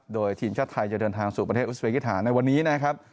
โดยทีมชาติไทยจะเดินทางสู่ประเทศอุสเวกิถาในวันนี้นะครับ